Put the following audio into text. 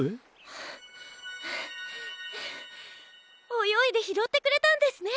およいでひろってくれたんですね！